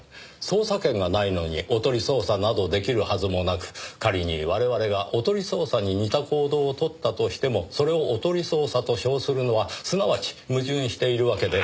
捜査権がないのにおとり捜査などできるはずもなく仮に我々がおとり捜査に似た行動を取ったとしてもそれをおとり捜査と称するのはすなわち矛盾しているわけで。